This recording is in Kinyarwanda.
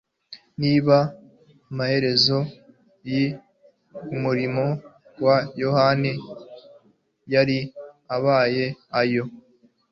Niba amaherezo y'umurimo wa Yohana yari abaye ayo,